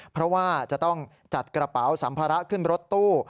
เพราะว่าจะต้องจัดกระเป๋าสัมภาระขึ้นรถตู้